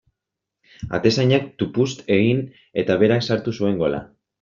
Atezainak tupust egin eta berak sartu zuen gola.